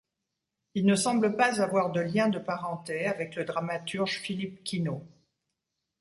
Il ne semble pas avoir de lien de parenté avec le dramaturge Philippe Quinault.